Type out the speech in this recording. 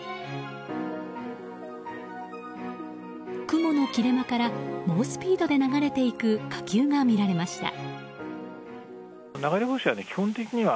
雲の隙間から猛スピードで流れていく火球が見られました。